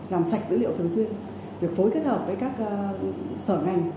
làm sạch dữ liệu thường xuyên việc phối kết hợp với các sở ngành